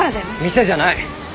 店じゃない。